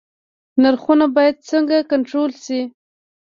نرخونه باید څنګه کنټرول شي؟